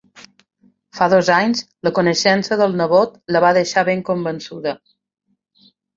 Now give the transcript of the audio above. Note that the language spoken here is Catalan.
Fa dos anys, la coneixença del nebot la va deixar ben convençuda.